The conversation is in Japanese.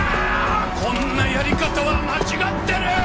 こんなやり方は間違ってる！